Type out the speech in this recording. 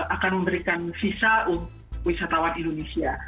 akan memberikan visa untuk wisatawan indonesia